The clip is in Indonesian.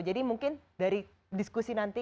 mungkin dari diskusi nanti